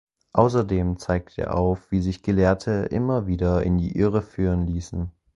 Außerdem zeigt er auf, wie sich Gelehrte immer wieder in die Irre führen ließen.